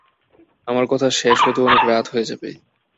আমার কথা শেষ হতে অনেক রাত হয়ে যাবে।